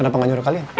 kenapa gak nyuruh kalian